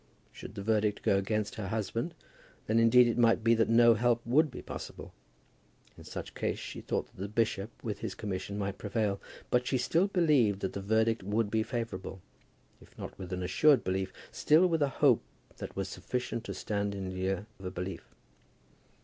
Should the verdict go against her husband, then indeed it might be that no help would be possible. In such case she thought that the bishop with his commission might prevail. But she still believed that the verdict would be favourable, if not with an assured belief, still with a hope that was sufficient to stand in lieu of a belief.